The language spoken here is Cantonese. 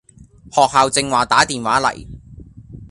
學校正話打電話嚟